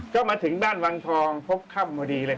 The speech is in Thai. ก็มาถึงบ้านวังทองพบค่ำพอดีเลย